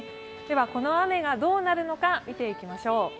この雨がどうなるのか見ていきましょう。